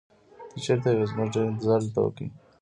ته چېرته وې؟ موږ ډېر انتظار درته وکړ.